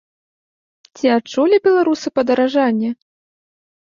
Ці адчулі беларусы падаражанне?